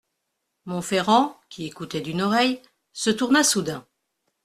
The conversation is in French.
Monferrand, qui écoutait d'une oreille, se tourna soudain.